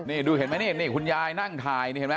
นี่ดูเผ็วินดูเพราะคุณยายนั่งถ่าย